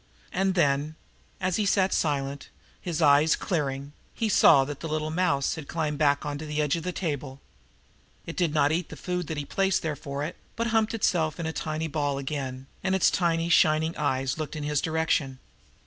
And then, as he sat silent, his eyes clearing, he saw that the little mouse had climbed back to the edge of the table. It did not eat the food he had placed there for it, but humped itself up in a tiny ball again, and its tiny shining eyes looked in his direction.